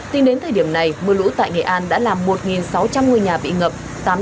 tính đến thời điểm này mưa lũ tại nghệ an đã làm một sáu trăm linh ngôi nhà bị ngập